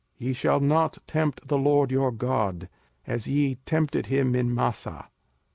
05:006:016 Ye shall not tempt the LORD your God, as ye tempted him in Massah.